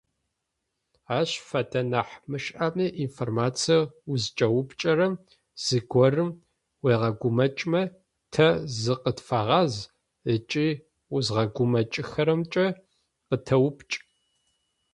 Ащ фэдэ нахь мышӏэми, информациеу узкӏэупчӏэрэм зыгорэм уегъэгумэкӏмэ, тэ зыкъытфэгъаз ыкӏи узгъэгумэкӏхэрэмкӏэ къытэупчӏ.